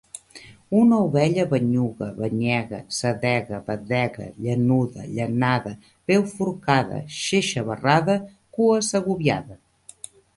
Una ovella banyuga, banyega, sedega, badega, llanuda, llanada, peuforcada, xeixabarrada, cua-segoviada;